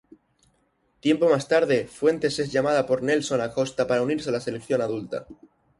Tiempo más tarde, Fuentes es llamado por Nelson Acosta para unirse la selección adulta.